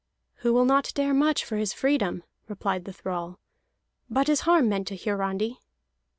"Who will not dare much for his freedom?" replied the thrall. "But is harm meant to Hiarandi?"